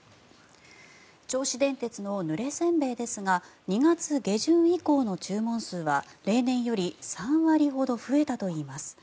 銚子電鉄のぬれ煎餅ですが２月下旬以降の注文数は例年より３割ほど増えたといいます。